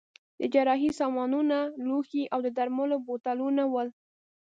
د جراحۍ سامانونه، لوښي او د درملو بوتلونه ول.